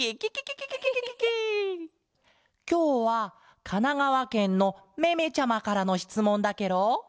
きょうはかながわけんのめめちゃまからのしつもんだケロ。